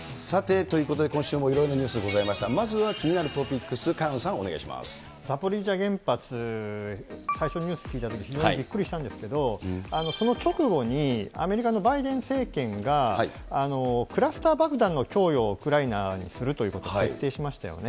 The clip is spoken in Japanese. ということで、今週もいろいろなニュースありました、まずは気になるトピックス、ザポリージャ原発、最初ニュース聞いたとき、きのう、びっくりしたんですけど、その直後にアメリカのバイデン政権が、クラスター爆弾の供与をウクライナにするということを決定しましたよね。